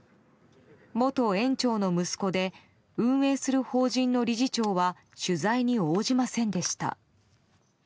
元園長の息子で運営する法人の理事長は取材に応じませんでした。